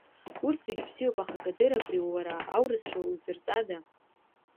Урҭ зегьы бзиоуп, аха Кадыр, абри уара аурысшәа узырҵада?